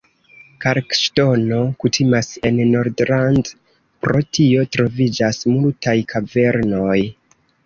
Kalkoŝtono kutimas en Nordland, pro tio troviĝas multaj kavernoj.